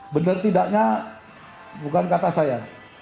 benar tidaknya bukan kata saya